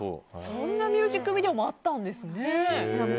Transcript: そんなミュージックビデオもあったんですね。